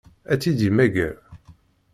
Ad tt-id-yemmager?